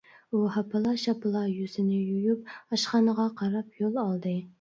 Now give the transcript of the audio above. ئۇ ھاپىلا-شاپىلا يۈزىنى يۇيۇپ ئاشخانىغا قاراپ يول ئالدى.